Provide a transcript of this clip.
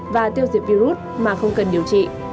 và tiêu diệt virus mà không cần điều trị